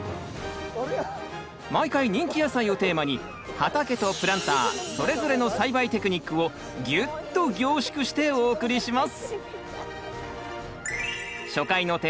毎回人気野菜をテーマに畑とプランターそれぞれの栽培テクニックをギュッと凝縮してお送りします！